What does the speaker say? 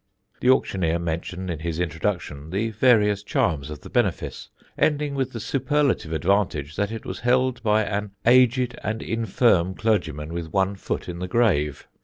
The auctioneer mentioned in his introduction the various charms of the benefice, ending with the superlative advantage that it was held by an aged and infirm clergyman with one foot in the grave.